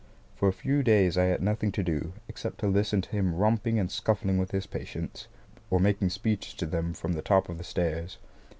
For a few days I had nothing to do, except to listen to him romping and scuffling with his patients, or making speeches to them from the top of the stairs.